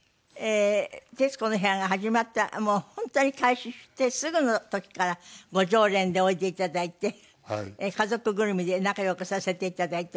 『徹子の部屋』が始まったもう本当に開始してすぐの時からご常連でおいでいただいて家族ぐるみで仲良くさせていただいております。